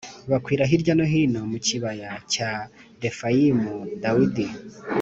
bakwira hirya no hino mu kibaya cya Refayimu Dawidi